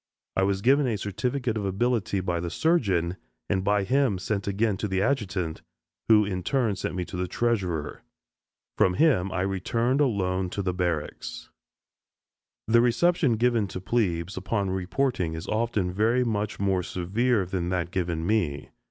I was given a certificate of ability by the surgeon, and by him sent again to the adjutant, who in turn sent me to the treasurer. From him I returned alone to barracks. The reception given to "plebes" upon reporting is often very much more severe than that given me.